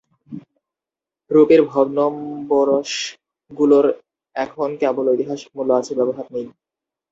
রুপির ভগ্নম্বরশগুলোর এখন কেবল ঐতিহাসিক মূল্য আছে, ব্যবহার নেই।